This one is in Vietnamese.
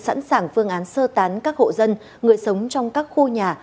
sẵn sàng phương án sơ tán các hộ dân người sống trong các khu nhà